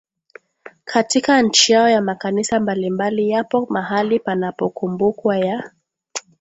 katika nchi yao Makanisa mbalimbali yapo mahali panapokumbukwa ya